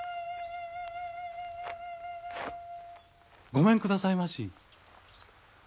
ごめんくださいまし。